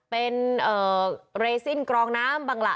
เป็นเรซินกรองน้ำบังละ